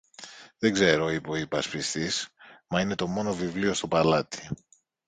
Δεν ξέρω, είπε ο υπασπιστής, μα είναι το μόνο βιβλίο στο παλάτι.